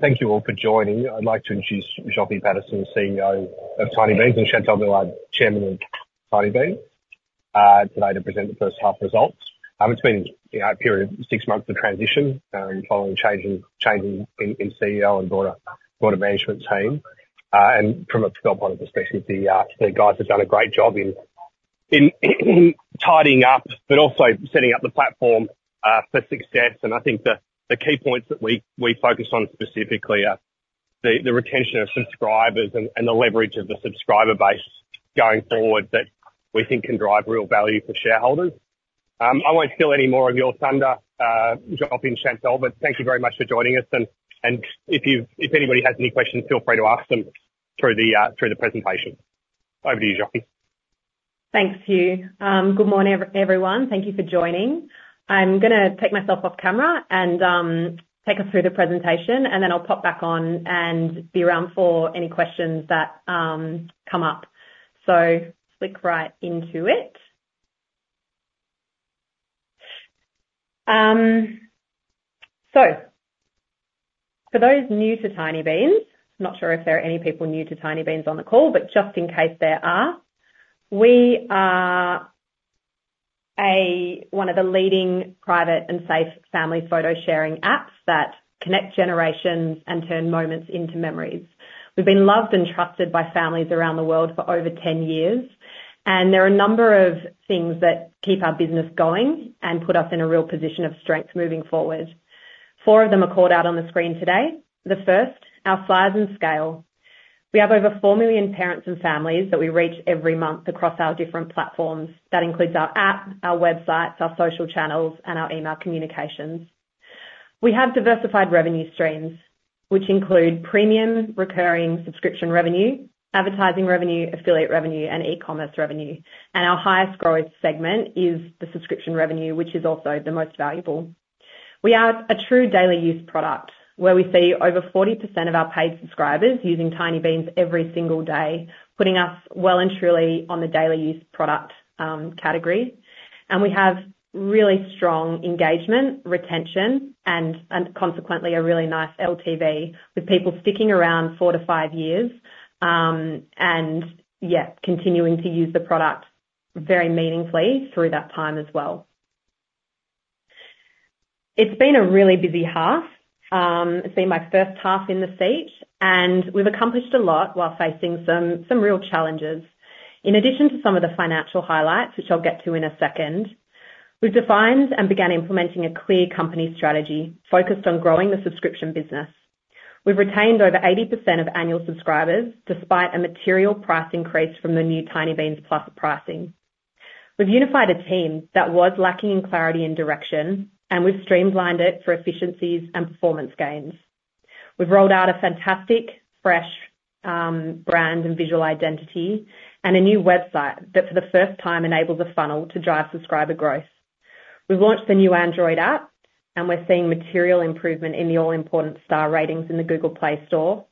Thank you all for joining. I'd like to introduce Zsofi Paterson, CEO of Tinybeans, and Chantale Millard, Chairman of Tinybeans, today to present the first half results. It's been, you know, a period of six months of transition, following changing in CEO and the, the management team. And from a developmental perspective, the guys have done a great job in tidying up but also setting up the platform for success. And I think the key points that we focused on specifically, the retention of subscribers and the leverage of the subscriber base going forward that we think can drive real value for shareholders. I won't steal any more of your thunder, Zsofi, and Chantale, but thank you very much for joining us. And if you've if anybody has any questions, feel free to ask them through the presentation. Over to you, Zsofi. Thanks to you. Good morning, everyone. Thank you for joining. I'm gonna take myself off camera and take us through the presentation. And then I'll pop back on and be around for any questions that come up. So click right into it. So, for those new to Tinybeans, not sure if there are any people new to Tinybeans on the call, but just in case there are. We are one of the leading private and safe family photo sharing apps that connect generations and turn moments into memories. We've been loved and trusted by families around the world for over 10 years. And there are a number of things that keep our business going and put us in a real position of strength moving forward. Four of them are called out on the screen today. The first, our size and scale. We have over four million parents and families that we reach every month across our different platforms. That includes our app, our websites, our social channels, and our email communications. We have diversified revenue streams which include premium recurring subscription revenue, advertising revenue, affiliate revenue, and e-commerce revenue. Our highest growth segment is the subscription revenue which is also the most valuable. We are a true daily use product where we see over 40% of our paid subscribers using Tinybeans every single day putting us well and truly on the daily use product category. We have really strong engagement retention and, and consequently a really nice LTV with people sticking around four to five years, and yeah continuing to use the product very meaningfully through that time as well. It's been a really busy half. It's been my first half in the seat. And we've accomplished a lot while facing some real challenges. In addition to some of the financial highlights which I'll get to in a second, we've defined and began implementing a clear company strategy focused on growing the subscription business. We've retained over 80% of annual subscribers despite a material price increase from the new Tinybeans Plus pricing. We've unified a team that was lacking in clarity and direction and we've streamlined it for efficiencies and performance gains. We've rolled out a fantastic fresh brand and visual identity and a new website that for the first time enables a funnel to drive subscriber growth. We've launched the new Android app and we're seeing material improvement in the all-important star ratings in the Google Play Store.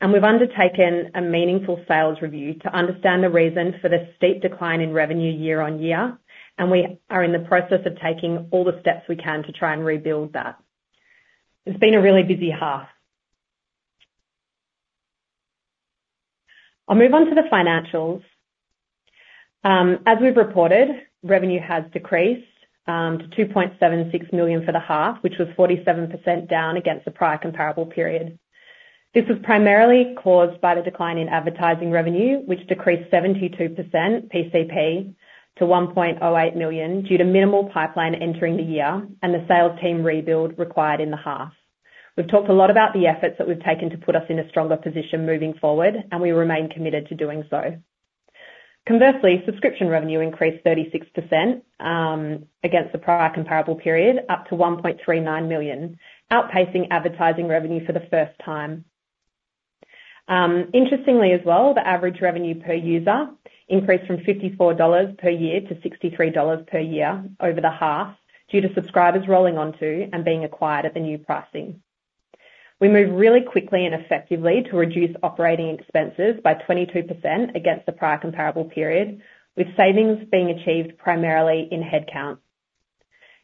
And we've undertaken a meaningful sales review to understand the reason for the steep decline in revenue year-on-year. We are in the process of taking all the steps we can to try and rebuild that. It's been a really busy half. I'll move on to the financials. As we've reported revenue has decreased to 2.76 million for the half which was 47% down against the prior comparable period. This was primarily caused by the decline in advertising revenue which decreased 72% PCP to 1.08 million due to minimal pipeline entering the year and the sales team rebuild required in the half. We've talked a lot about the efforts that we've taken to put us in a stronger position moving forward and we remain committed to doing so. Conversely subscription revenue increased 36% against the prior comparable period up to 1.39 million outpacing advertising revenue for the first time. Interestingly as well, the average revenue per user increased from 54 dollars per year to 63 dollars per year over the half due to subscribers rolling onto and being acquired at the new pricing. We move really quickly and effectively to reduce operating expenses by 22% against the prior comparable period with savings being achieved primarily in headcount.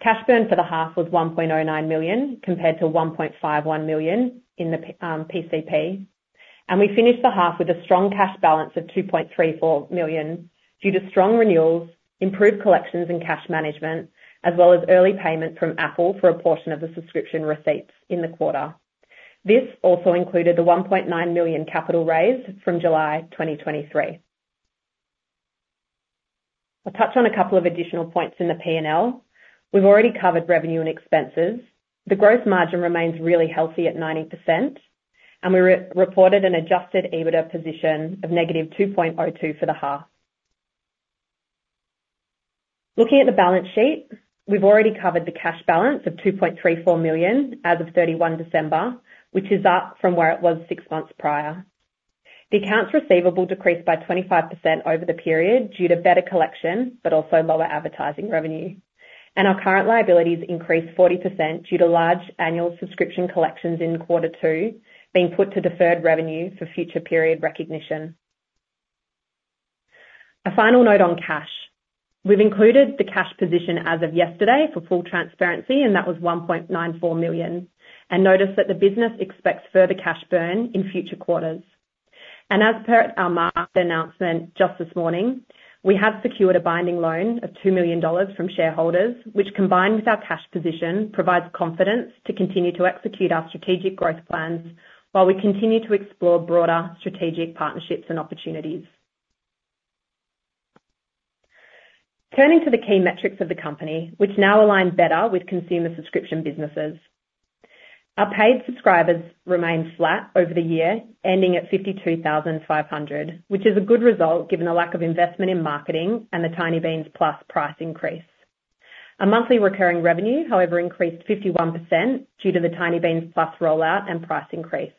Cash burn for the half was 1.09 million compared to 1.51 million in the PCP. We finished the half with a strong cash balance of 2.34 million due to strong renewals, improved collections and cash management as well as early payment from Apple for a portion of the subscription receipts in the quarter. This also included the 1.9 million capital raise from July 2023. I'll touch on a couple of additional points in the P&L. We've already covered revenue and expenses. The gross margin remains really healthy at 90%. We re-reported an adjusted EBITDA position of -2.02 million for the half. Looking at the balance sheet, we've already covered the cash balance of 2.34 million as of 31 December, which is up from where it was six months prior. The accounts receivable decreased by 25% over the period due to better collection but also lower advertising revenue. Our current liabilities increased 40% due to large annual subscription collections in quarter two being put to deferred revenue for future period recognition. A final note on cash. We've included the cash position as of yesterday for full transparency and that was 1.94 million. Notice that the business expects further cash burn in future quarters. As per our market announcement just this morning, we have secured a binding loan of 2 million dollars from shareholders, which combined with our cash position provides confidence to continue to execute our strategic growth plans while we continue to explore broader strategic partnerships and opportunities. Turning to the key metrics of the company, which now align better with consumer subscription businesses. Our paid subscribers remain flat over the year ending at 52,500, which is a good result given the lack of investment in marketing and the Tinybeans Plus price increase. Our monthly recurring revenue however increased 51% due to the Tinybeans Plus rollout and price increase.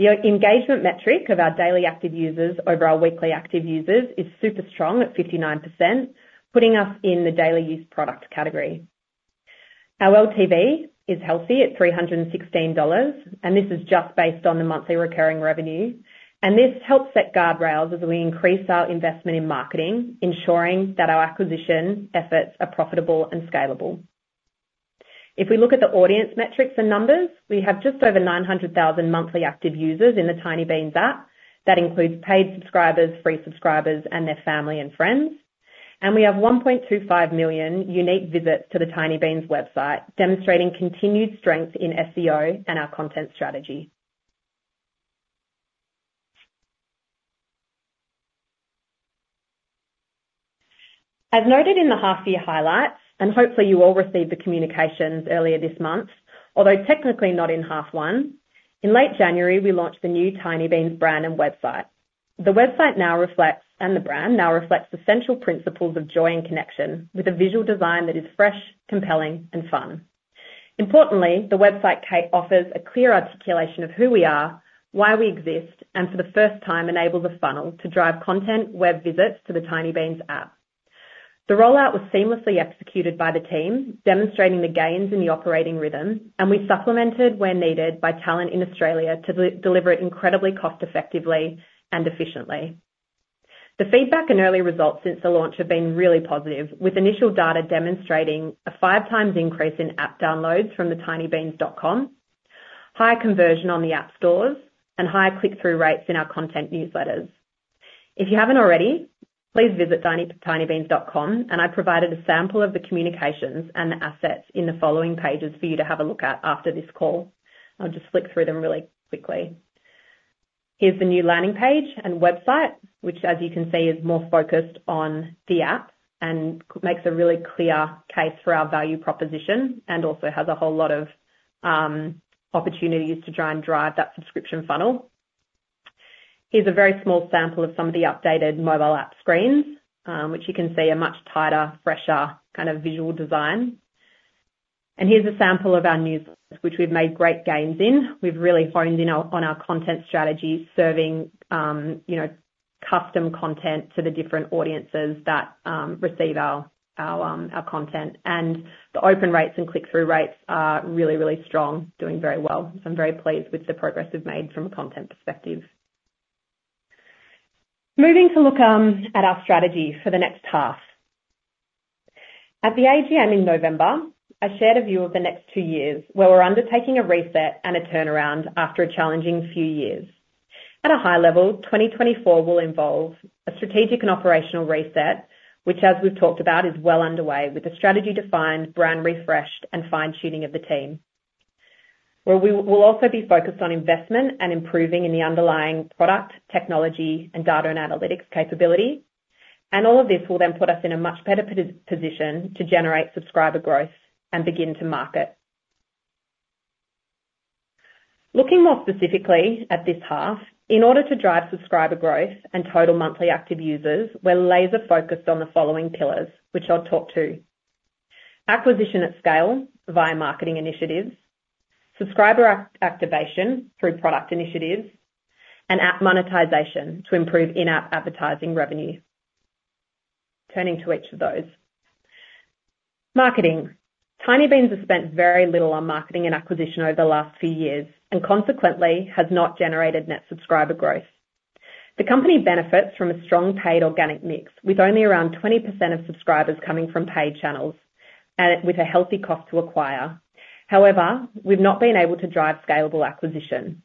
The DAU/WAU engagement metric of our daily active users over our weekly active users is super strong at 59% putting us in the daily use product category. Our LTV is healthy at 316 dollars and this is just based on the monthly recurring revenue. This helps set guardrails as we increase our investment in marketing, ensuring that our acquisition efforts are profitable and scalable. If we look at the audience metrics and numbers, we have just over 900,000 monthly active users in the Tinybeans app that includes paid subscribers, free subscribers, and their family and friends. We have 1.25 million unique visits to the Tinybeans website, demonstrating continued strength in SEO and our content strategy. As noted in the half-year highlights, and hopefully you all received the communications earlier this month, although technically not in half one, in late January we launched the new Tinybeans brand and website. The website now reflects and the brand now reflects the central principles of joy and connection with a visual design that is fresh, compelling, and fun. Importantly, the website also offers a clear articulation of who we are, why we exist, and for the first time enables a funnel to drive content web visits to the Tinybeans app. The rollout was seamlessly executed by the team, demonstrating the gains in the operating rhythm, and we supplemented where needed by talent in Australia to deliver it incredibly cost-effectively and efficiently. The feedback and early results since the launch have been really positive, with initial data demonstrating a five times increase in app downloads from tinybeans.com, higher conversion on the app stores, and higher click-through rates in our content newsletters. If you haven't already please visit tinybeans.com and I provided a sample of the communications and the assets in the following pages for you to have a look at after this call. I'll just flick through them really quickly. Here's the new landing page and website which as you can see is more focused on the app and it makes a really clear case for our value proposition and also has a whole lot of opportunities to try and drive that subscription funnel. Here's a very small sample of some of the updated mobile app screens, which you can see a much tighter fresher kind of visual design. Here's a sample of our newsletters which we've made great gains in. We've really honed in on our content strategy serving you know custom content to the different audiences that receive our content. And the open rates and click-through rates are really really strong, doing very well. So I'm very pleased with the progress we've made from a content perspective. Moving to look at our strategy for the next half. At the AGM in November I shared a view of the next two years where we're undertaking a reset and a turnaround after a challenging few years. At a high level 2024 will involve a strategic and operational reset which as we've talked about is well underway with the strategy defined, brand refreshed, and fine-tuning of the team. Where we will also be focused on investment and improving in the underlying product, technology, and data and analytics capability. And all of this will then put us in a much better position to generate subscriber growth and begin to market. Looking more specifically at this half in order to drive subscriber growth and total monthly active users, we're laser focused on the following pillars, which I'll talk to. Acquisition at scale via marketing initiatives. Subscriber activation through product initiatives. And app monetization to improve in-app advertising revenue. Turning to each of those. Marketing. Tinybeans has spent very little on marketing and acquisition over the last few years and consequently has not generated net subscriber growth. The company benefits from a strong paid organic mix with only around 20% of subscribers coming from paid channels and with a healthy cost to acquire. However, we've not been able to drive scalable acquisition.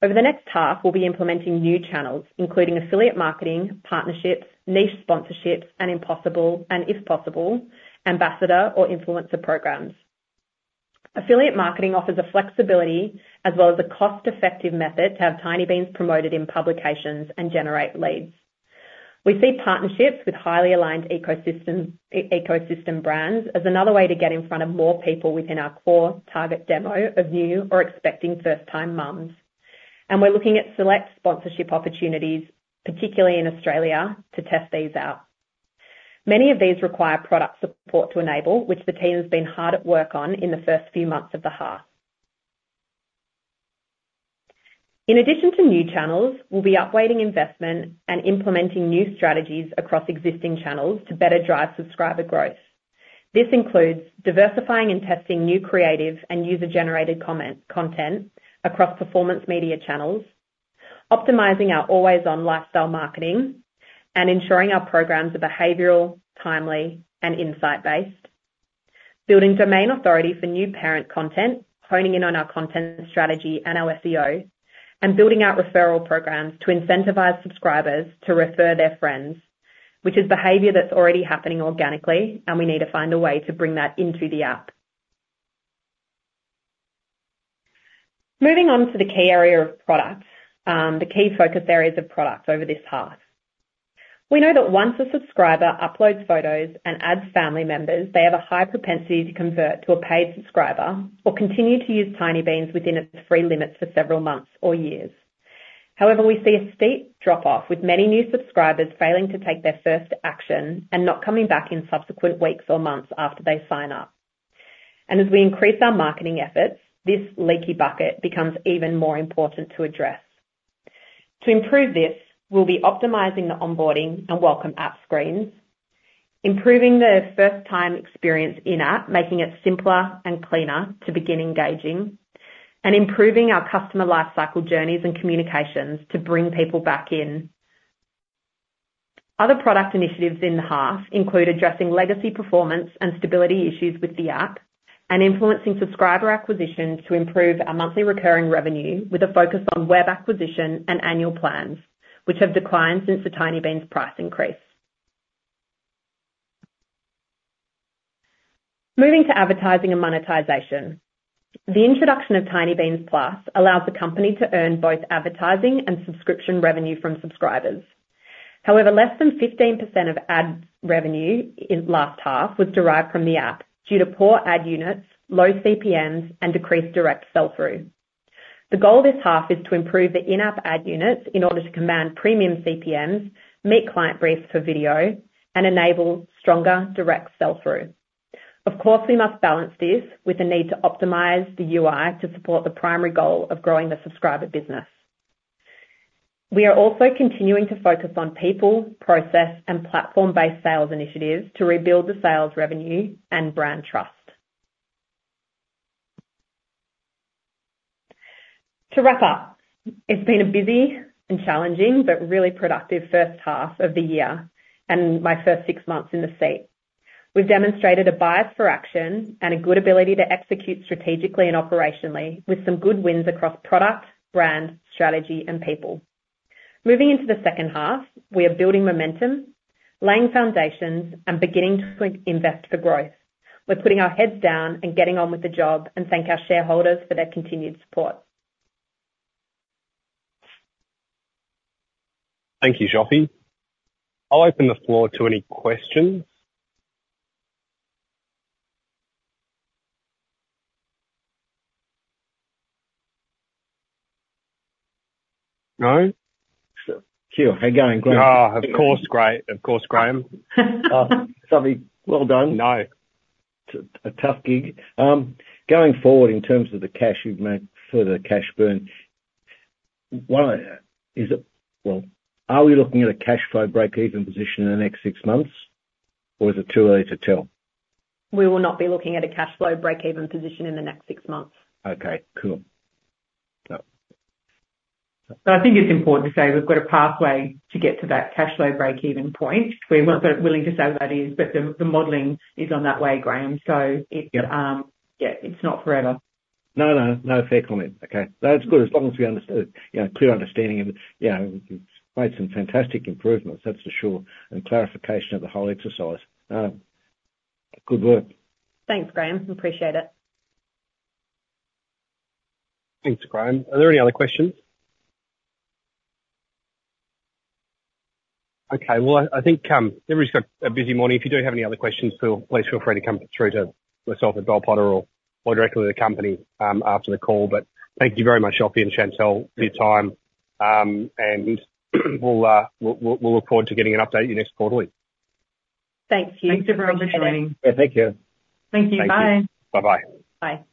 Over the next half, we'll be implementing new channels including affiliate marketing partnerships, niche sponsorships, and possibly, and if possible, ambassador or influencer programs. Affiliate marketing offers a flexibility as well as a cost-effective method to have Tinybeans promoted in publications and generate leads. We see partnerships with highly aligned ecosystem brands as another way to get in front of more people within our core target demo of new or expecting first-time moms. We're looking at select sponsorship opportunities particularly in Australia to test these out. Many of these require product support to enable, which the team has been hard at work on in the first few months of the half. In addition to new channels, we'll be upgrading investment and implementing new strategies across existing channels to better drive subscriber growth. This includes diversifying and testing new creative and user-generated comment content across performance media channels. Optimizing our always-on lifestyle marketing. And ensuring our programs are behaviorally timely and insight-based. Building domain authority for new parent content, honing in on our content strategy and our SEO. Building out referral programs to incentivize subscribers to refer their friends, which is behavior that's already happening organically, and we need to find a way to bring that into the app. Moving on to the key area of product, the key focus areas of product over this half. We know that once a subscriber uploads photos and adds family members, they have a high propensity to convert to a paid subscriber or continue to use Tinybeans within its free limits for several months or years. However, we see a steep drop-off with many new subscribers failing to take their first action and not coming back in subsequent weeks or months after they sign up. As we increase our marketing efforts, this leaky bucket becomes even more important to address. To improve this, we'll be optimizing the onboarding and welcome app screens. Improving the first-time experience in-app, making it simpler and cleaner to begin engaging. Improving our customer lifecycle journeys and communications to bring people back in. Other product initiatives in the half include addressing legacy performance and stability issues with the app and influencing subscriber acquisition to improve our monthly recurring revenue with a focus on web acquisition and annual plans, which have declined since the Tinybeans price increase. Moving to advertising and monetization. The introduction of Tinybeans Plus allows the company to earn both advertising and subscription revenue from subscribers. However, less than 15% of ad revenue in last half was derived from the app due to poor ad units, low CPMs, and decreased direct sell-through. The goal this half is to improve the in-app ad units in order to command premium CPMs, meet client briefs for video, and enable stronger direct sell-through. Of course, we must balance this with the need to optimize the UI to support the primary goal of growing the subscriber business. We are also continuing to focus on people, process, and platform-based sales initiatives to rebuild the sales revenue and brand trust. To wrap up, it's been a busy and challenging but really productive first half of the year and my first six months in the seat. We've demonstrated a bias for action and a good ability to execute strategically and operationally with some good wins across product, brand, strategy, and people. Moving into the second half, we are building momentum, laying foundations, and beginning to invest for growth. We're putting our heads down and getting on with the job and thank our shareholders for their continued support. Thank you Zsofi. I'll open the floor to any questions. No? Sure. Kiel, how you going, Graham? Of course, great. Of course, Graham. Zsofi, well done. No, it's a tough gig. Going forward in terms of the cash you've made for the cash burn. One of the is it well are we looking at a cash flow break-even position in the next six months or is it too early to tell? We will not be looking at a cash flow break-even position in the next six months. Okay cool. No. I think it's important to say we've got a pathway to get to that cash flow break-even point. We're not willing to say what that is but the modelling is on that way Graham so it's yeah it's not forever. No, no, no. Fair comment. Okay, that's good as long as we understood, you know, clear understanding of it, you know. It's made some fantastic improvements. That's for sure. And clarification of the whole exercise. Good work. Thanks, Graham. Appreciate it. Thanks, Graham. Are there any other questions? Okay, well, I think everybody's got a busy morning. If you do have any other questions, please feel free to come through to myself at Bell Potter or directly to the company after the call, but thank you very much, Zsofi and Chantale, for your time. We'll look forward to getting an update from you next quarterly. Thank you. Thanks everyone for joining. Yeah, thank you. Thank you. Bye. Thank you bye-bye. Bye.